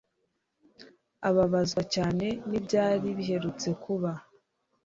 ababazwa cyane n'ibyari biherutse kuba